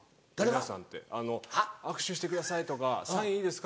皆さんってあの握手してくださいとかサインいいですか？